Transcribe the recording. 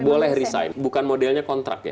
boleh resign bukan modelnya kontrak ya